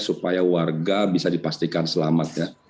supaya warga bisa dipastikan selamat ya